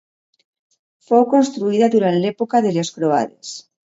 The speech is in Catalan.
Fou construïda durant l'època de les croades.